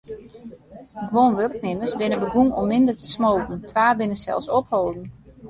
Guon wurknimmers binne begûn om minder te smoken, twa binne sels opholden.